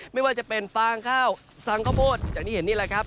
ไม่ว่าจะเป็นปางข้าวสั่งข้าวโพดอย่างที่เห็นนี่แหละครับ